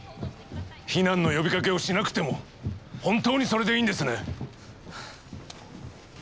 避難の呼びかけをしなくても本当にそれでいいんですね？